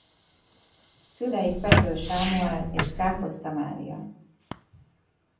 Szülei Pethő Sámuel és Káposzta Mária.